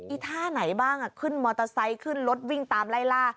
ท่าไหนบ้างขึ้นมอเตอร์ไซค์ขึ้นรถวิ่งตามไล่ล่า